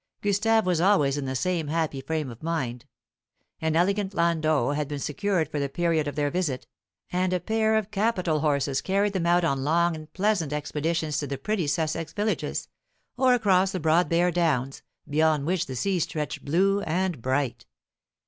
Gustave was always in the same happy frame of mind. An elegant landau had been secured for the period of their visit, and a pair of capital horses carried them out on long and pleasant expeditions to the pretty Sussex villages, or across the broad bare downs, beyond which the sea stretched blue and bright.